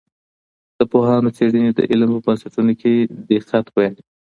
د پوهانو څېړنې د علم په بنسټونو کي دقت زیاتوي.